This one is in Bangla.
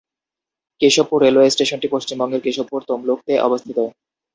কেশবপুর রেলওয়ে স্টেশনটি পশ্চিমবঙ্গের কেশবপুর, তমলুক তে অবস্থিত।